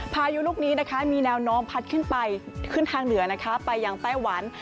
พายุลูกนี้มีแนวโน้มพัดขึ้นไปขึ้นทางเหนือไปอย่างไต้หวัน